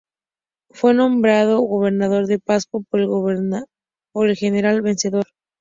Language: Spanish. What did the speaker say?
Fue nombrado gobernador de Pasco por el general vencedor.